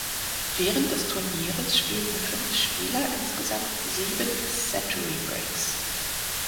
Während des Turnieres spielten fünf Spieler insgesamt sieben Century Breaks.